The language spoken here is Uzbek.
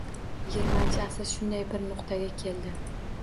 Yigirmanchi asr shunday bir nuqtaga keldi...